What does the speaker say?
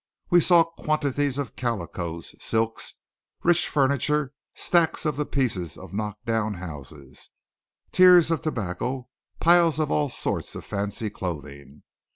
We saw quantities of calicos, silks, rich furniture, stacks of the pieces of knock down houses, tierces of tobacco, piles of all sorts of fancy clothing.